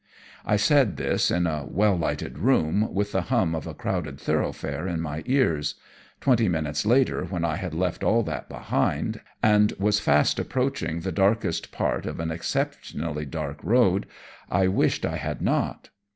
I said this in a well lighted room, with the hum of a crowded thoroughfare in my ears. Twenty minutes later, when I had left all that behind, and was fast approaching the darkest part of an exceptionally dark road, I wished I had not.